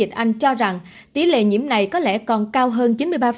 tịch anh cho rằng tỷ lệ nhiễm này có lẽ còn cao hơn chín mươi ba